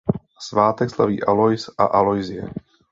Svátek slaví Alois a Aloisie.